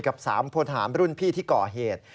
กับ๓พลทหารรุ่นพี่ที่ก่อเหตุ